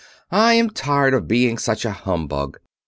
"I am tired of being such a humbug.